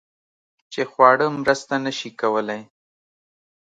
چې خواړه مرسته نشي کولی